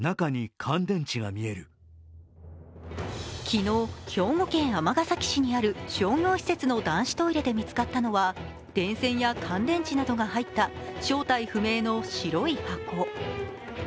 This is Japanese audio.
昨日、兵庫県尼崎市にある商業施設の男子トイレで見つかったのは電線や乾電池などが入った正体不明の白い箱。